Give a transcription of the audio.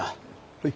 はい。